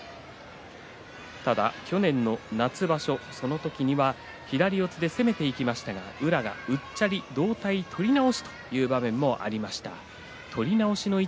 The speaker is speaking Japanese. ただ去年の夏場所、その時には左四つで攻めていきましたが宇良がうっちゃり同体取り直しという場面もありました。